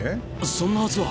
そんなはずは。